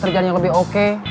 kerjaan yang lebih oke